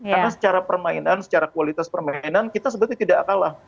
karena secara permainan secara kualitas permainan kita sebetulnya tidak kalah